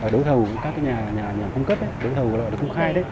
đối thầu với các nhà không cất đối thầu với các nhà không khai